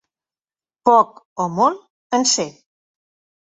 Poc o molt, en sé.